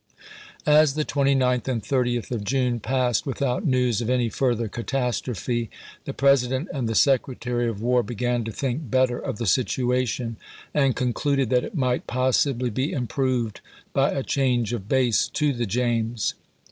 186a As the 29th and 30th of June passed without news of any further catastrophe, the President and the Secretary of War began to think better of the situation, and concluded that it might possibly be improved by a change of base to the James.